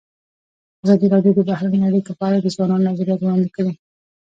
ازادي راډیو د بهرنۍ اړیکې په اړه د ځوانانو نظریات وړاندې کړي.